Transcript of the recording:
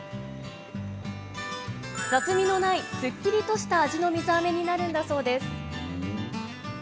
雑味のない、すっきりとした味の水あめになるんだそうです。